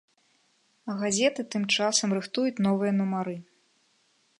А газеты тым часам рыхтуюць новыя нумары.